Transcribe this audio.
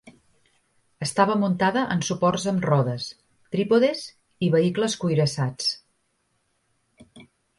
Estava muntada en suports amb rodes, trípodes i vehicles cuirassats.